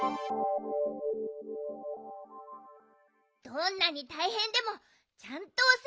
どんなにたいへんでもちゃんとおせわしようね。